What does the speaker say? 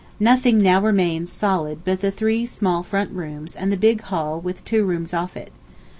Nothing now remains solid but the three small front rooms and the big hall with two rooms off it.